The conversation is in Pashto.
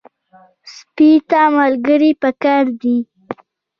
سپي ته ملګري پکار دي.